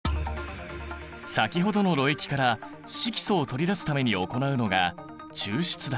先ほどのろ液から色素を取り出すために行うのが抽出だ。